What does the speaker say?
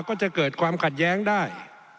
ก็จะเกิดความขัดแย้งได้